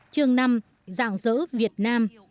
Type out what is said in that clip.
chương năm dạng dỡ việt nam